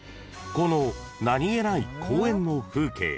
［この何げない公園の風景］